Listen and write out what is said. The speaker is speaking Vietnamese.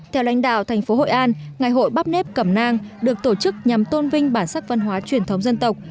theo lãnh đạo thành phố hội an ngày hội bắp nếp cầm nang được tổ chức nhằm tôn vinh bản sắc văn hóa truyền thống dân tộc